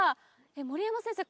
守山先生